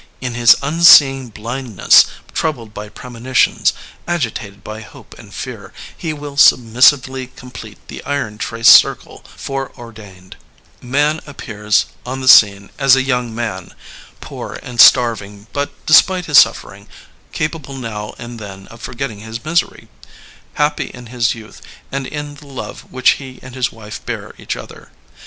In his unseeing blindness, troubled by premonitions, agi tated by hope and fear, he will submissively com plete the iron traced circle foreordained,'' Man appears on the scene as a young man, poor and starving, but despite his suffering, capable now and then of forgetting his misery, happy in his youth and in the love which he and his wife bear each other.